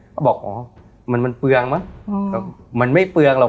เขาบอกอ๋อมันเปลืองมั้งมันไม่เปลืองหรอก